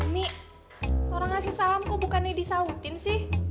umi orang ngasih salam kok bukannya disautin sih